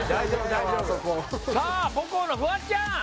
あそこさあ母校のフワちゃん